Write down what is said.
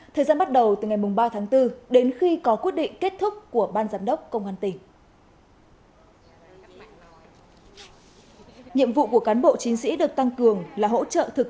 thời gian bắt đầu từ ngày ba tháng bốn đến khi có quyết định kết thúc của ban giám đốc công an tỉnh